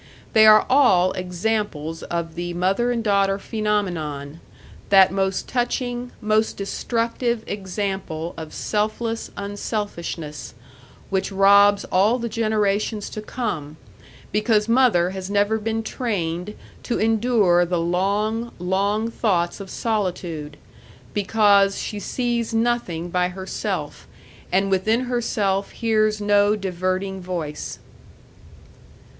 They are all examples of the mother and daughter phenomenon, that most touching, most destructive example of selfless unselfishness, which robs all the generations to come, because mother has never been trained to endure the long, long thoughts of solitude; because she sees nothing by herself, and within herself hears no diverting voice....